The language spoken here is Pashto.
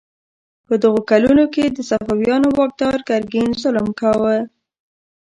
په دغو کلونو کې د صفویانو واکدار ګرګین ظلم کاوه.